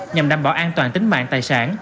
nhằm đảm bảo an toàn tính mạng tài sản